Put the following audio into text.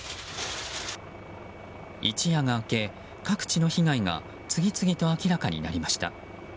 一夜が明け、各地の被害が次々と明らかになりました。